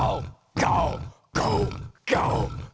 ガオ！